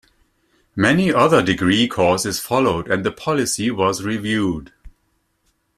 Many other degree courses followed, and the policy was reviewed.